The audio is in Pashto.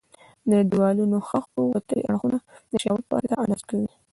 د دېوالونو د خښتو وتلي اړخونه د شاول په واسطه اندازه کوي.